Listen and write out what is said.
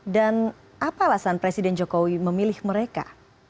dan apa alasan presiden jokowi memilih mereka